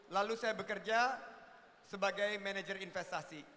lalu saya bekerja sebagai manajer investasi